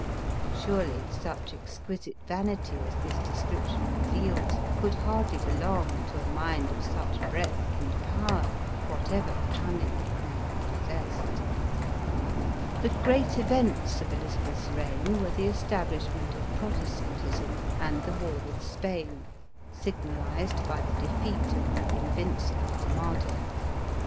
Surely such exqui site vanity as this description reveals, could hardly be long to a mind of much breadth and power, whatever cunning it may have possessed. The great events of Elizabeth's reign were the estab lishment of Protestantism, and the war with Spain, sig nalized by the defeat of the Invincible Armada.